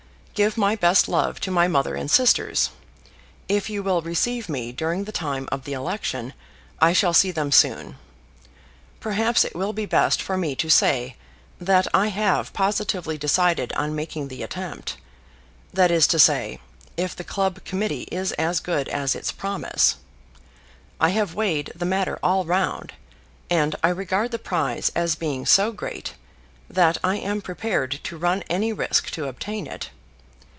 Give my best love to my mother and sisters. If you will receive me during the time of the election, I shall see them soon. Perhaps it will be best for me to say that I have positively decided on making the attempt; that is to say, if the Club Committee is as good as its promise. I have weighed the matter all round, and I regard the prize as being so great, that I am prepared to run any risk to obtain it.